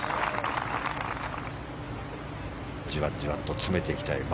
じわじわと詰めていきたい。